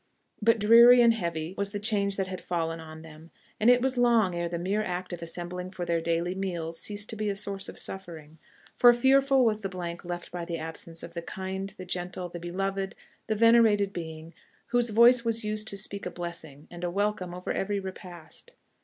But dreary and heavy was the change that had fallen on them, and it was long ere the mere act of assembling for their daily meals ceased to be a source of suffering for fearful was the blank left by the absence of the kind, the gentle, the beloved, the venerated being, whose voice was used to speak a blessing and a welcome over every repast.